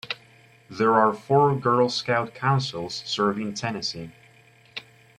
There are four Girl Scout councils serving Tennessee.